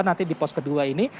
nanti di pos kedua ini